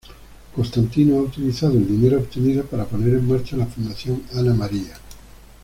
Constantino ha utilizado el dinero obtenido para poner en marcha la Fundación Ana María.